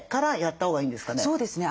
そうですね。